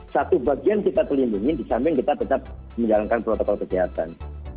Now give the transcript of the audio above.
satu bagian kita terlindungi di samping kita tetap menjalankan protokol kesehatan